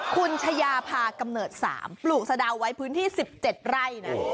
คุณชายาพากำเนิด๓ปลูกสะดาวไว้พื้นที่๑๗ไร่นะ